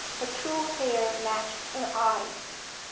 Her true hair matched her eyes.